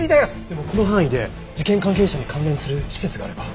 でもこの範囲で事件関係者に関連する施設があれば。